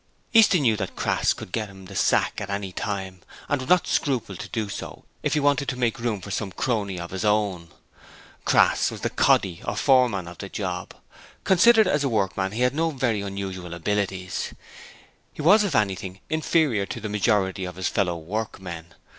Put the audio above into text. Easton knew that Crass could get him the sack at any time, and would not scruple to do so if he wanted to make room for some crony of his own. Crass was the 'coddy' or foreman of the job. Considered as a workman he had no very unusual abilities; he was if anything inferior to the majority of his fellow workmen.